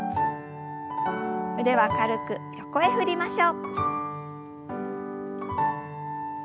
腕は軽く横へ振りましょう。